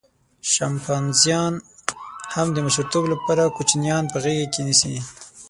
شامپانزیان هم د مشرتوب لپاره کوچنیان په غېږه کې نیسي.